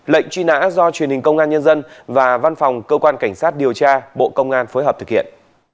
lệnh truy nã do truyền hình công an nhân dân và văn phòng cơ quan cảnh sát điều tra bộ công an phối hợp thực hiện